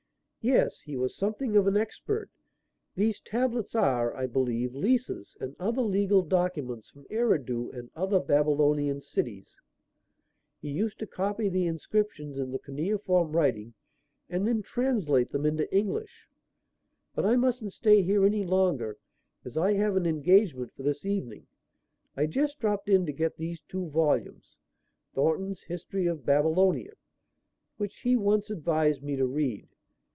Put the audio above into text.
"Yes; he was something of an expert. These tablets are, I believe, leases and other legal documents from Eridu and other Babylonian cities. He used to copy the inscriptions in the cuneiform writing and then translate them into English. But I mustn't stay here any longer as I have an engagement for this evening. I just dropped in to get these two volumes Thornton's History of Babylonia, which he once advised me to read.